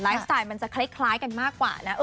สไตล์มันจะคล้ายกันมากกว่านะ